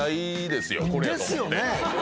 ですよね。